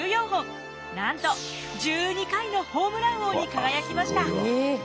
なんと１２回のホームラン王に輝きました。